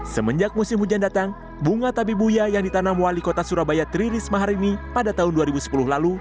semenjak musim hujan datang bunga tabibuya yang ditanam wali kota surabaya tri risma hari ini pada tahun dua ribu sepuluh lalu